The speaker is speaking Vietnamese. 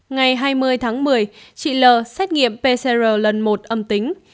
ngày hai mươi tháng một mươi chị l xét nghiệm pcr lần một âm tính